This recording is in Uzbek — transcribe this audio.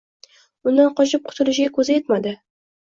Undan qochib qutulishiga ko’zi yetmadi.